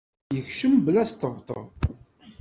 Yekcem bla asṭebṭeb.